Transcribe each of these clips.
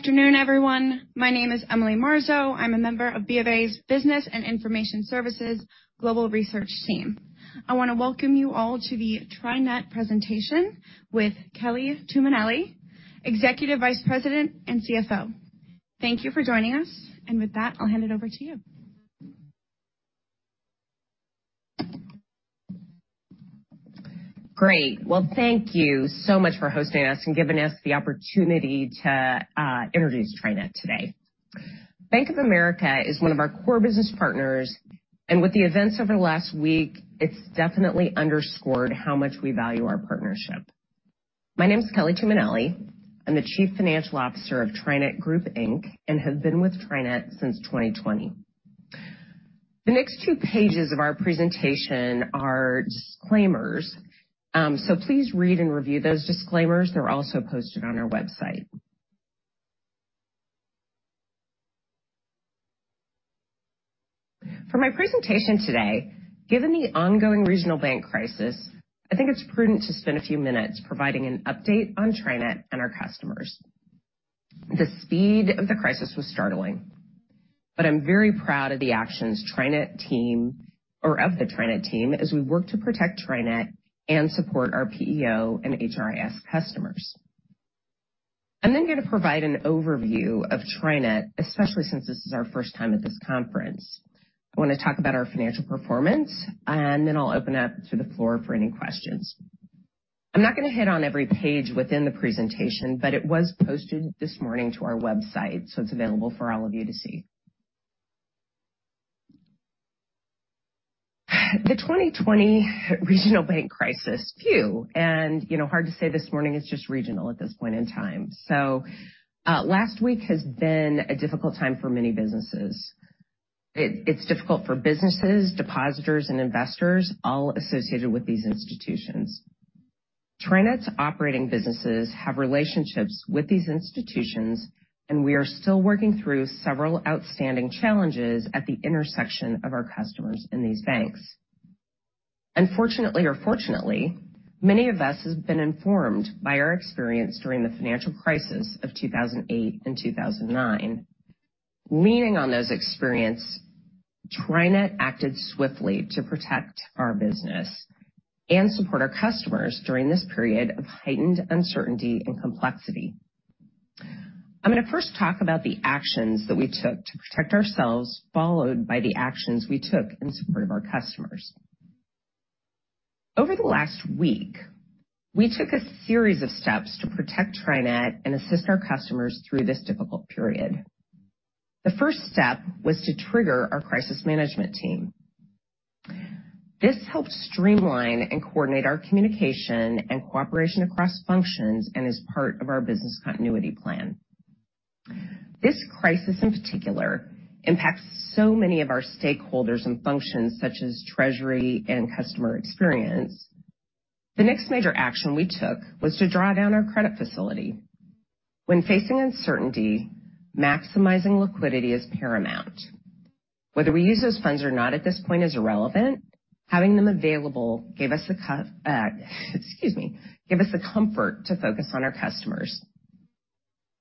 Good afternoon, everyone. My name is Emily Marzo. I'm a member of BofA's Business and Information Services Global Research team. I want to welcome you all to the TriNet presentation with Kelly Tuminelli, Executive Vice President and CFO. Thank you for joining us. With that, I'll hand it over to you. Great. Well, thank you so much for hosting us and giving us the opportunity to introduce TriNet today. Bank of America is one of our core business partners. With the events over the last week, it's definitely underscored how much we value our partnership. My name is Kelly Tuminelli. I'm the Chief Financial Officer of TriNet Group, Inc. and have been with TriNet since 2020. The next two pages of our presentation are disclaimers. Please read and review those disclaimers. They're also posted on our website. For my presentation today, given the ongoing regional bank crisis, I think it's prudent to spend a few minutes providing an update on TriNet and our customers. The speed of the crisis was startling, but I'm very proud of the actions TriNet team as we work to protect TriNet and support our PEO and HRIS customers. I'm going to provide an overview of TriNet, especially since this is our first time at this conference. I want to talk about our financial performance, and then I'll open up to the floor for any questions. I'm not going to hit on every page within the presentation, but it was posted this morning to our website, so it's available for all of you to see. The 2020 regional bank crisis. Phew. Hard to say this morning, it's just regional at this point in time. Last week has been a difficult time for many businesses. It's difficult for businesses, depositors, and investors all associated with these institutions. TriNet's operating businesses have relationships with these institutions, and we are still working through several outstanding challenges at the intersection of our customers in these banks. Unfortunately or fortunately, many of us have been informed by our experience during the financial crisis of 2008 and 2009. Leaning on those experience, TriNet acted swiftly to protect our business and support our customers during this period of heightened uncertainty and complexity. I'm going to first talk about the actions that we took to protect ourselves, followed by the actions we took in support of our customers. Over the last week, we took a series of steps to protect TriNet and assist our customers through this difficult period. The first step was to trigger our crisis management team. This helped streamline and coordinate our communication and cooperation across functions and is part of our business continuity plan. This crisis, in particular, impacts so many of our stakeholders and functions such as treasury and customer experience. The next major action we took was to draw down our credit facility. When facing uncertainty, maximizing liquidity is paramount. Whether we use those funds or not at this point is irrelevant. Having them available gave us, excuse me, gave us the comfort to focus on our customers.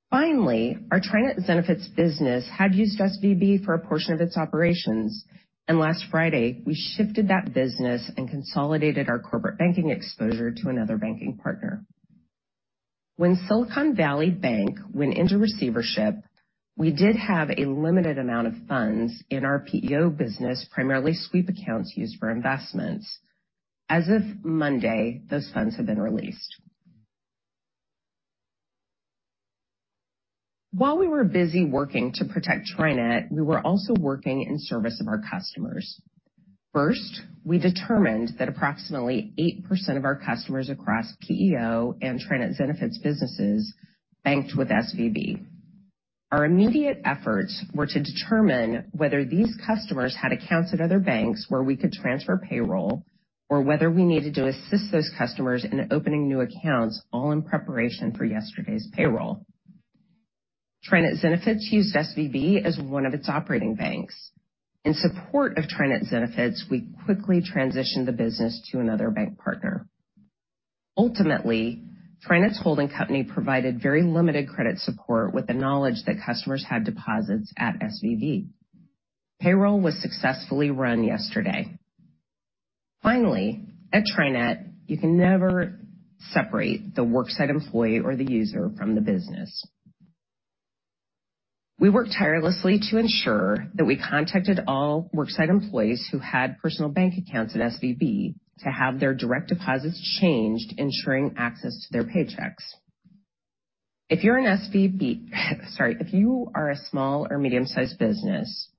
Finally, our TriNet Benefits business had used SVB for a portion of its operations, and last Friday, we shifted that business and consolidated our corporate banking exposure to another banking partner. When Silicon Valley Bank went into receivership, we did have a limited amount of funds in our PEO business, primarily sweep accounts used for investments. As of Monday, those funds have been released. While we were busy working to protect TriNet, we were also working in service of our customers. We determined that approximately 8% of our customers across PEO and TriNet's benefits businesses banked with SVB. Our immediate efforts were to determine whether these customers had accounts at other banks where we could transfer payroll or whether we needed to assist those customers in opening new accounts, all in preparation for yesterday's payroll. TriNet Benefits used SVB as one of its operating banks. In support of TriNet Benefits, we quickly transitioned the business to another bank partner. TriNet's holding company provided very limited credit support with the knowledge that customers had deposits at SVB. Payroll was successfully run yesterday. At TriNet, you can never separate the worksite employee or the user from the business. We worked tirelessly to ensure that we contacted all worksite employees who had personal bank accounts at SVB to have their direct deposits changed, ensuring access to their paychecks. If you are a small or medium-sized business,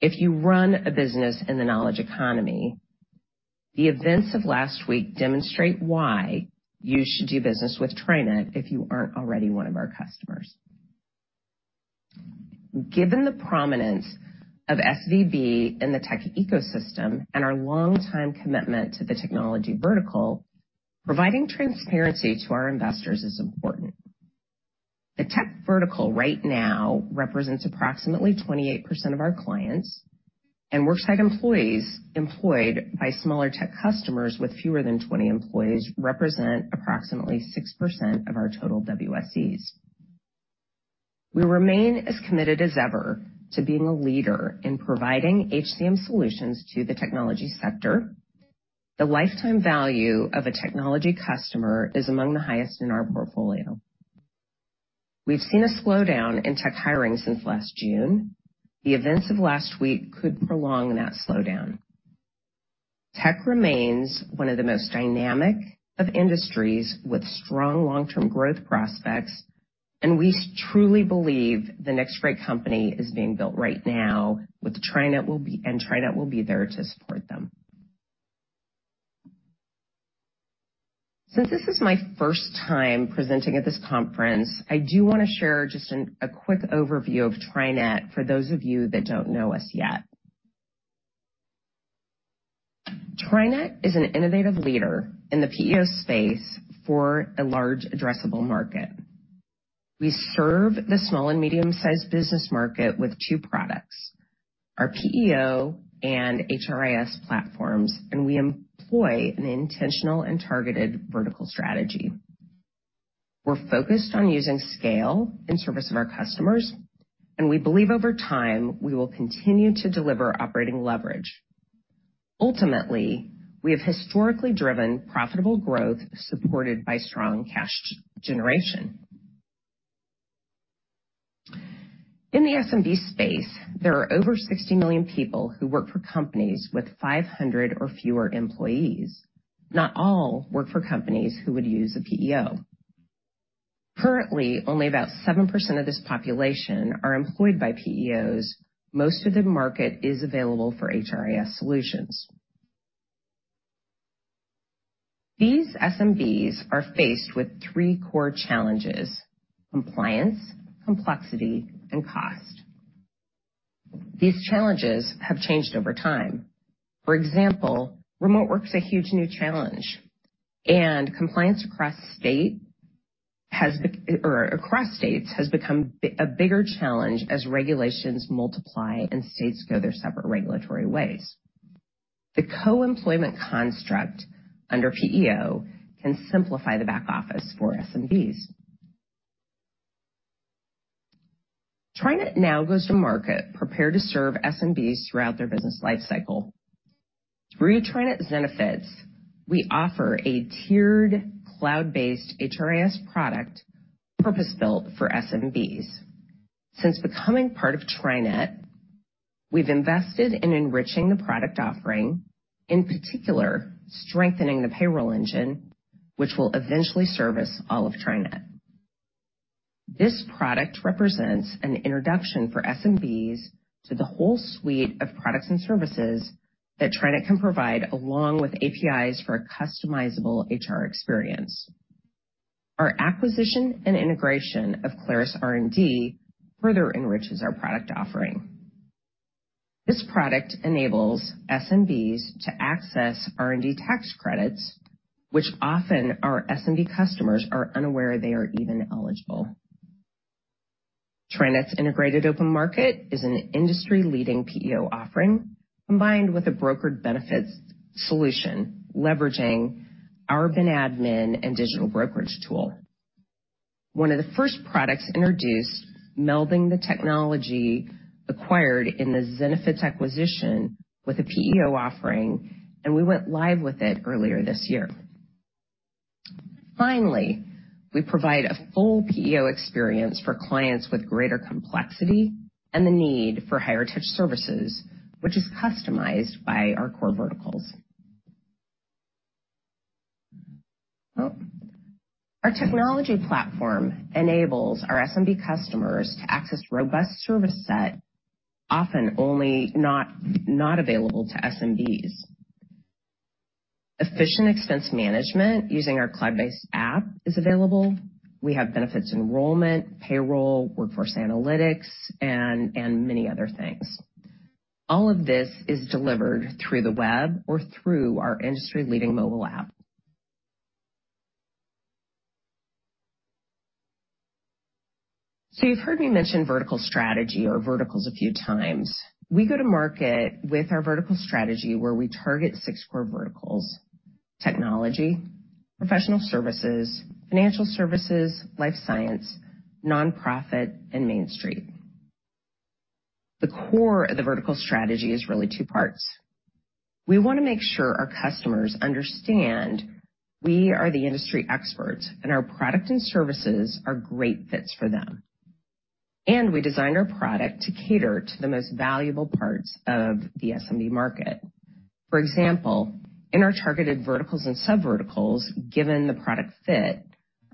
if you run a business in the knowledge economy, the events of last week demonstrate why you should do business with TriNet if you aren't already one of our customers. Given the prominence of SVB in the tech ecosystem and our longtime commitment to the technology vertical, providing transparency to our investors. The tech vertical right now represents approximately 28% of our clients, and worksite employees employed by smaller tech customers with fewer than 20 employees represent approximately 6% of our total WSEs. We remain as committed as ever to being a leader in providing HCM solutions to the technology sector. The lifetime value of a technology customer is among the highest in our portfolio. We've seen a slowdown in tech hiring since last June. The events of last week could prolong that slowdown. Tech remains one of the most dynamic of industries with strong long-term growth prospects, and we truly believe the next great company is being built right now with TriNet and TriNet will be there to support them. Since this is my first time presenting at this conference, I do wanna share just a quick overview of TriNet for those of you that don't know us yet. TriNet is an innovative leader in the PEO space for a large addressable market. We serve the small and medium-sized business market with two products, our PEO and HRIS platforms, and we employ an intentional and targeted vertical strategy. We're focused on using scale in service of our customers, and we believe over time, we will continue to deliver operating leverage. Ultimately, we have historically driven profitable growth supported by strong cash generation. In the SMB space, there are over 60 million people who work for companies with 500 or fewer employees. Not all work for companies who would use a PEO. Currently, only about 7% of this population are employed by PEOs. Most of the market is available for HRIS solutions. These SMBs are faced with three core challenges: compliance, complexity, and cost. These challenges have changed over time. For example, remote work's a huge new challenge. Compliance across states has become a bigger challenge as regulations multiply and states go their separate regulatory ways. The co-employment construct under PEO can simplify the back office for SMBs. TriNet now goes to market prepared to serve SMBs throughout their business life cycle. Through TriNet Zenefits, we offer a tiered cloud-based HRIS product purpose-built for SMBs. Since becoming part of TriNet, we've invested in enriching the product offering, in particular, strengthening the payroll engine, which will eventually service all of TriNet. This product represents an introduction for SMBs to the whole suite of products and services that TriNet can provide, along with APIs for a customizable HR experience. Our acquisition and integration of Claris R&D further enriches our product offering. This product enables SMBs to access R&D tax credits, which often our SMB customers are unaware they are even eligible. TriNet's Integrated Open Market is an industry-leading PEO offering, combined with a brokered benefits solution, leveraging our BenAdmin and digital brokerage tool. One of the first products introduced melding the technology acquired in the Zenefits acquisition with a PEO offering, and we went live with it earlier this year. Finally, we provide a full PEO experience for clients with greater complexity and the need for higher touch services, which is customized by our core verticals. Our technology platform enables our SMB customers to access robust service set, often only not available to SMBs. Efficient expense management using our cloud-based app is available. We have benefits enrollment, payroll, workforce analytics, and many other things. All of this is delivered through the web or through our industry-leading mobile app. You've heard me mention vertical strategy or verticals a few times. We go to market with our vertical strategy where we target six core verticals: technology, professional services, financial services, life science, nonprofit, and Main Street. The core of the vertical strategy is really two parts. We wanna make sure our customers understand we are the industry experts, and our product and services are great fits for them. We designed our product to cater to the most valuable parts of the SMB market. For example, in our targeted verticals and sub-verticals, given the product fit,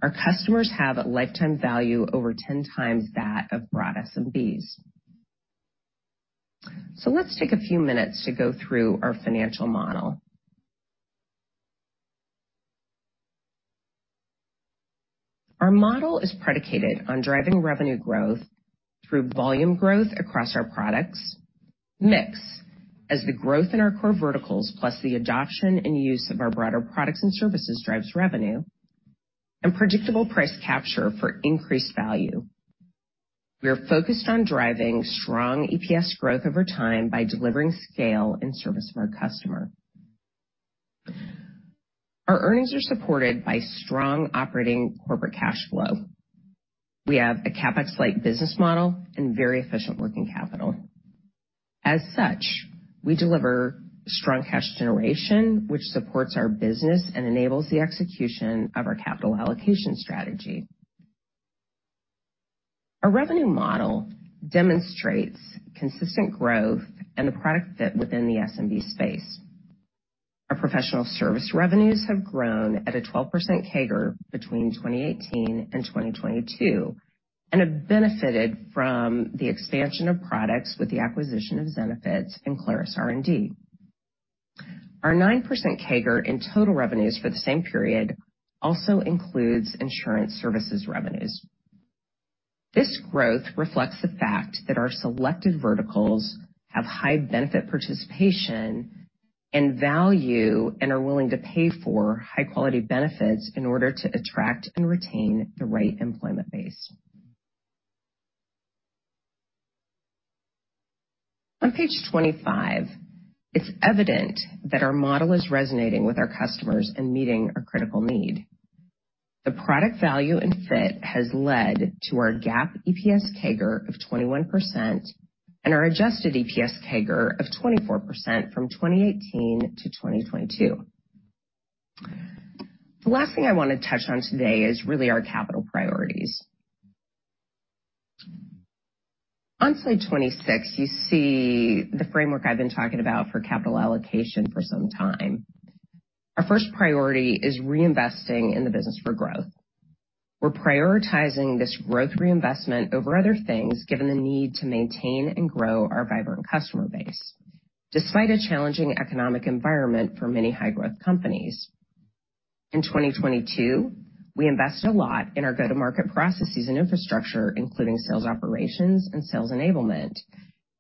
our customers have a lifetime value over 10 times that of broad SMBs. Let's take a few minutes to go through our financial model. Our model is predicated on driving revenue growth through volume growth across our products mix, as the growth in our core verticals, plus the adoption and use of our broader products and services drives revenue, and predictable price capture for increased value. We are focused on driving strong EPS growth over time by delivering scale and service for our customer. Our earnings are supported by strong operating corporate cash flow. We have a CapEx-like business model and very efficient working capital. As such, we deliver strong cash generation, which supports our business and enables the execution of our capital allocation strategy. Our revenue model demonstrates consistent growth and the product fit within the SMB space. Our professional service revenues have grown at a 12% CAGR between 2018 and 2022, and have benefited from the expansion of products with the acquisition of Zenefits and Claris R&D. Our 9% CAGR in total revenues for the same period also includes insurance services revenues. This growth reflects the fact that our selected verticals have high benefit participation and value and are willing to pay for high quality benefits in order to attract and retain the right employment base. On page 25, it's evident that our model is resonating with our customers and meeting a critical need. The product value and fit has led to our GAAP EPS CAGR of 21% and our adjusted EPS CAGR of 24% from 2018 to 2022. The last thing I wanna touch on today is really our capital priorities. On slide 26, you see the framework I've been talking about for capital allocation for some time. Our first priority is reinvesting in the business for growth. We're prioritizing this growth reinvestment over other things, given the need to maintain and grow our vibrant customer base, despite a challenging economic environment for many high-growth companies. In 2022, we invested a lot in our go-to-market processes and infrastructure, including sales operations and sales enablement,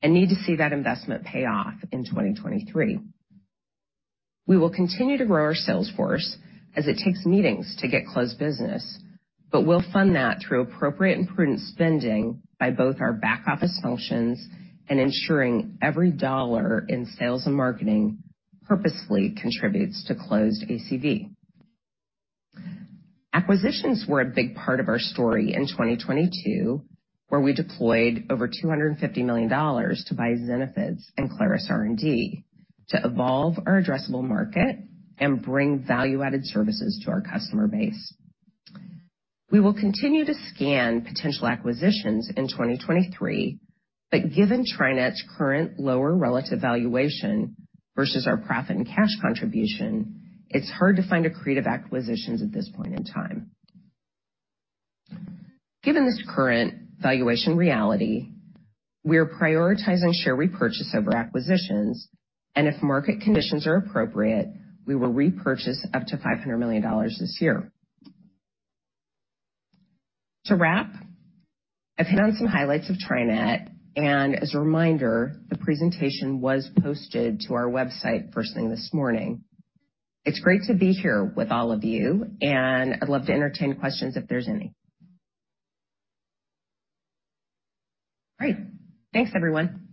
and need to see that investment pay off in 2023. We will continue to grow our sales force as it takes meetings to get close business. We'll fund that through appropriate and prudent spending by both our back-office functions and ensuring every dollar in sales and marketing purposely contributes to closed ACV. Acquisitions were a big part of our story in 2022, where we deployed over $250 million to buy Zenefits and Claris R&D to evolve our addressable market and bring value-added services to our customer base. We will continue to scan potential acquisitions in 2023. Given TriNet's current lower relative valuation versus our profit and cash contribution, it's hard to find accretive acquisitions at this point in time. Given this current valuation reality, we are prioritizing share repurchase over acquisitions. If market conditions are appropriate, we will repurchase up to $500 million this year. To wrap, I've hit on some highlights of TriNet. As a reminder, the presentation was posted to our website first thing this morning. It's great to be here with all of you. I'd love to entertain questions if there's any. Great. Thanks, everyone.